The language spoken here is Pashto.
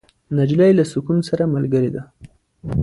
نجلۍ له سکون سره ملګرې ده.